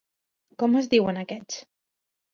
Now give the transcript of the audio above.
Com es diuen aquests?